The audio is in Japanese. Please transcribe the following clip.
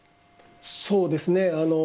そうですね。